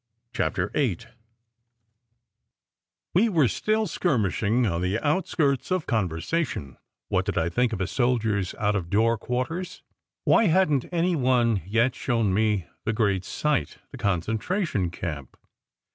CHAPTER VIII WE WERE still skirmishing on the outskirts of conversation What did I think of a soldier s out of door quarters? Why hadn t any one yet shown me the great sight, the concentration camp?